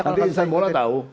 nanti insanbora tahu